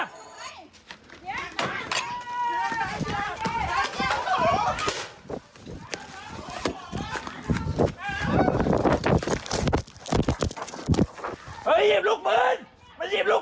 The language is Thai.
นี่ฝั่งของผู้เสียหายนะฮะถ่ายคลิปไปด้วยวิ่งหนีไปด้วยนี่บอก